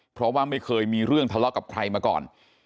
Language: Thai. เพราะว่าไม่เคยมีเรื่องทะเลาะกับใครมาก่อน